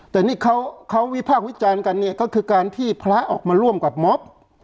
แต่นี่เขาวิพากษ์วิจารณ์กันเนี่ยก็คือการที่พระออกมาร่วมกับม็อบ